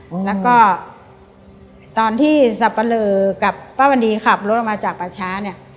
และก็ตอนที่สับประเลอร์กับป้าวันดีขับรถออกมาจากปาช้า